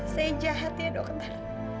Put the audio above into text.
saya jahat ya dokter